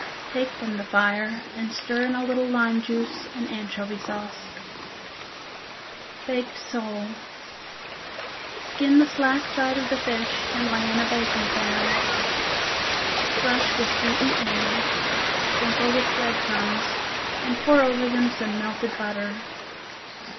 Take from the fire and stir in a little lime juice and anchovy sauce. Baked Sole Skin the slack side of the fish and lay in a baking pan. Brush with beaten egg, sprinkle with bread crumbs and pour over them some melted butter.